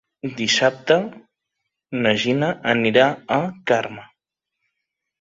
Dissabte na Gina anirà a Carme.